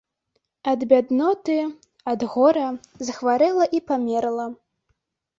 Ад бядноты, ад гора захварэла і памерла.